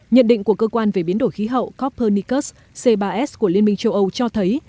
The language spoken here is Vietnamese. nhận định của cơ quan về biến đổi khí hậu coppernicus c ba s của liên minh châu âu cho thấy